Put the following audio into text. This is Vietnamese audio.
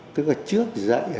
tôi trước dạy